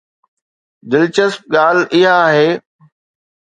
دلچسپ ڳالهه اها آهي.